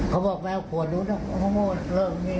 เขาบอกไม่เอาขวดดูนะ